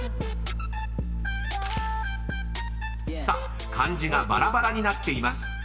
［さあ漢字がバラバラになっています］